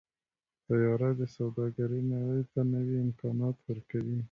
طیاره د سوداګرۍ نړۍ ته نوي امکانات ورکوي.